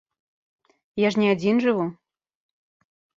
Я ж не адзін жыву.